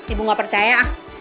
ibu gak percaya